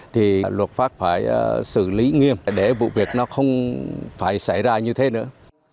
thì luật pháp phải xử lý nghiêm để vụ việc nó không phải xảy ra như thế nữa